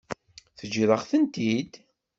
Teǧǧiḍ-aɣ-tent-id?